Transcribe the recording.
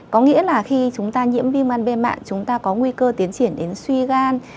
có nghĩa là khi chúng ta nhiễm viêm gan b mạng chúng ta có nguy cơ tiến triển đến suy gan